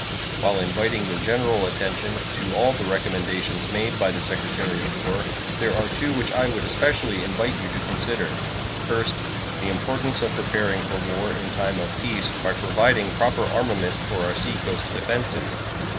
While inviting your general attention to all the recommendations made by the Secretary of War, there are two which I would especially invite you to consider: First, the importance of preparing for war in time of peace by providing proper armament for our seacoast defenses.